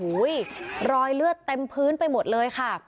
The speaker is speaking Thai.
รอยเลือดเต็มพื้นไปหมดเลยค่ะ